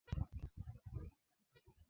Mazoezi ya kuimarisha moyo ni muhimu sana